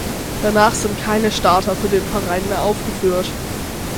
Danach sind keine Starter für den Verein mehr aufgeführt.